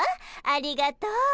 ありがとう。